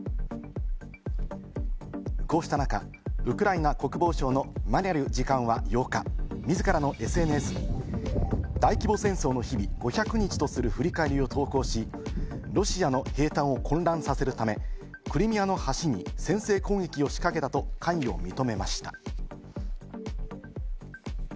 こうした中、ウクライナ国防相のマリャル次官は８日、自らのＳＮＳに大規模戦争の日々５００日とふり返ると投稿し、ロシアの兵站を混乱させるためクリミアの橋に先制攻撃を仕掛けたと関与を認めました。